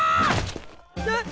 えっ？